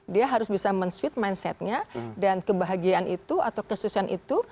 dia harus bisa men sweet mindsetnya dan kebahagiaan itu atau kesusahan itu